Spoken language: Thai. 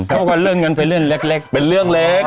เขาก็เลื่อนกันไปเรื่องเล็กเป็นเรื่องเล็ก